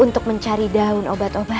tapi dia tidak menemukan apa apa